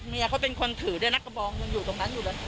เมียเขาเป็นคนถือด้วยนะกระบองยังอยู่ตรงนั้นอยู่เลย